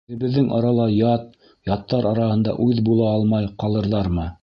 Үҙебеҙҙең арала — ят, яттар араһында үҙ була алмай ҡалырҙармы?